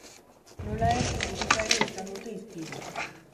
Nola ez, musika ere izan dute hizpide.